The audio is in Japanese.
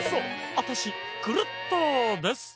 アタシクルットです！